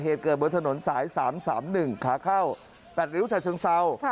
เหตุเกิดบนถนนสาย๓๓๑ขาเข้า๘ริ้วฉะเชิงเศร้า